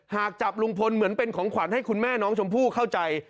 หากจับลุงพลเหมือนเป็นของขวัญให้คุณแม่น้องชมพู่เข้าใจ